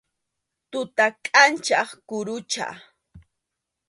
Tuta kʼanchaq kurucha.